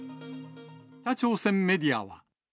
北朝鮮メディアは。